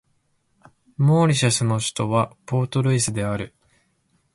モーリシャスの首都はポートルイスである